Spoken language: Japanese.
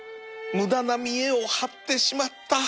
無駄な見えを張ってしまった